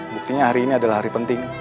buktinya hari ini adalah hari penting